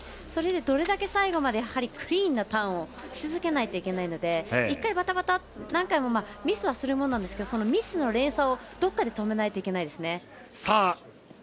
それで最後までクリーンなターンをし続けなければいけないのでミスはするものなんですけどミスの連鎖をどこかで止めないといけないですね。